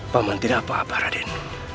paman tidak apa apa raden